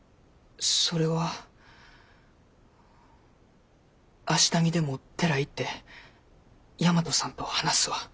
それは明日にでも寺行って大和さんと話すわ。